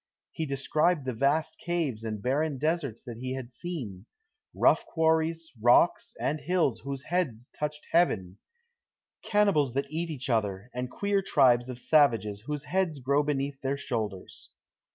He described the vast caves and barren deserts that he had seen; rough quarries, rocks, and hills, whose heads touched heaven; cannibals that eat each other, and queer tribes of savages whose heads grow beneath their shoulders.